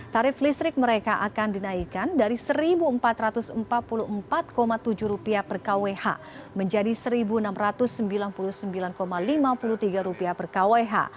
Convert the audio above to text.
tarif listrik mereka akan dinaikkan dari rp satu empat ratus empat puluh empat tujuh per kwh menjadi rp satu enam ratus sembilan puluh sembilan lima puluh tiga per kwh